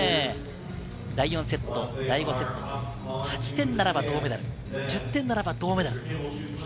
第４セット、第５セット、８点ならば銅メダル、１０点ならば銅メダル。